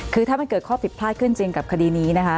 คือถ้ามันเกิดข้อผิดพลาดขึ้นจริงกับคดีนี้นะคะ